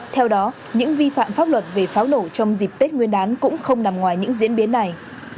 theo đó những vi phạm pháp luật về pháo nổ trong dịp tết nguyên đán cũng không nằm ngoài những diễn biến này